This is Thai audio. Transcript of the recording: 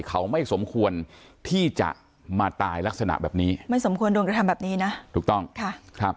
เขาไม่สมควรที่จะมาตายลักษณะแบบนี้มันสมควรโดนกระทำแบบนี้นะถูกต้องค่ะครับ